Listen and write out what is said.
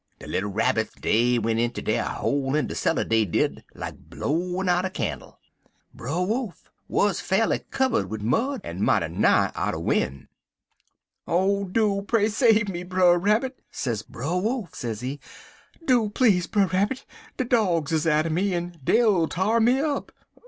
De little Rabbits dey went inter dere hole in de cellar, dey did, like blowin' out a cannle. Brer Wolf Wuz far'ly kivver'd wid mud, en mighty nigh outer win'. "'Oh, do pray save me, Brer Rabbit!' sez Brer Wolf, sezee. 'Do please, Brer Rabbit! de dogs is atter me, en dey 'll t'ar me up.